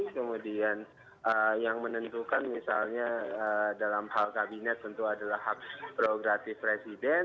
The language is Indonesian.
kemudian yang menentukan misalnya dalam hal kabinet tentu adalah hak progratif presiden